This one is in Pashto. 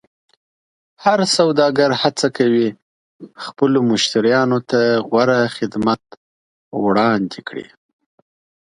هر سوداګر هڅه کوي خپلو مشتریانو ته غوره خدمت وړاندې کړي.